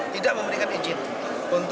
tidak memberikan izin